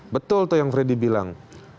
betul tuh yang freddy bilang